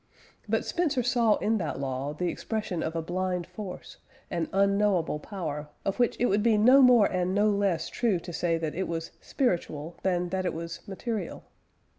But Spencer saw in that law the expression of a blind force, an unknowable power, of which it would be no more and no less true to say that it was "spiritual" than that it was "material."